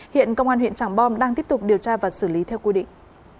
hiện công an huyện tràng bom đang tiếp tục điều tra và xử lý theo quy định